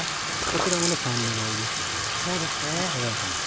こちらも酸味がありますので爽やかな。